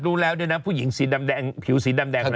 แบบผิวสีดำแดงเหล่านั้นเป็นใคร